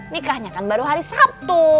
nikahnya kan baru hari sabtu